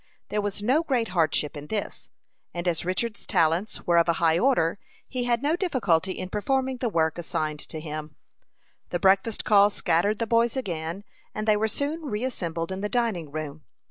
There was no great hardship in this, and as Richard's talents were of a high order, he had no difficulty in performing the work assigned to him. The breakfast call scattered the boys again, and they were soon reassembled in the dining room.